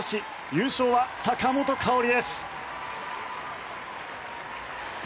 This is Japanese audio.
優勝は坂本花織。